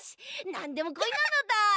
なんでもこいなのだ。